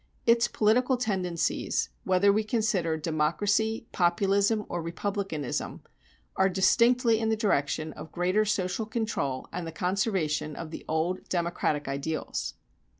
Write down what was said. Its political tendencies, whether we consider Democracy, Populism, or Republicanism, are distinctly in the direction of greater social control and the conservation of the old democratic ideals.